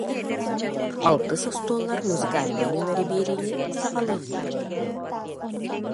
Алтыс остуоллар музыкальнай нүөмэри биэриини саҕалыыллар